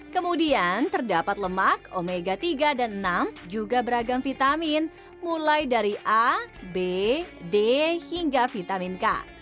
kemudian terdapat lemak omega tiga dan enam juga beragam vitamin mulai dari a b d hingga vitamin k